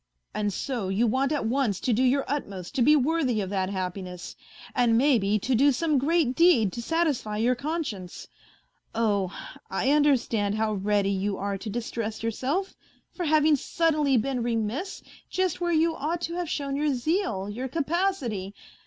And so you want at once to do your utmost to be worthy of that happiness, and maybe to do some great deed to satisfy your conscience. Oh ! I under stand how ready you are to distress yourself for having suddenly been remiss just where you ought to have shown your zeal, your capacity